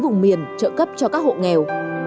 nên nghiên cứu vùng miền trợ cấp cho các hộ nghèo